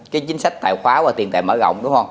cái chính sách tài khoá và tiền tài mở rộng